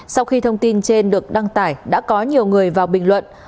sau khi thông tin trên được đăng tải đã có nhiều người vào bình luận